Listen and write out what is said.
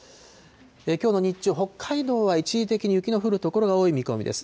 きょうの日中、北海道は一時的に雪の降る所が多い見込みです。